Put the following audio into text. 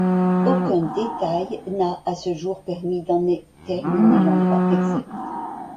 Aucun détail n'a à ce jour permis d'en déterminer l'endroit exact...